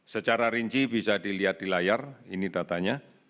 secara rinci bisa dilihat di layar ini datanya